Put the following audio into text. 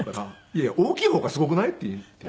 「いやいや大きい方がすごくない？」って言って。